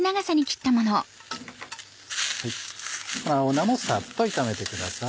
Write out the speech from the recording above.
青菜もサッと炒めてください。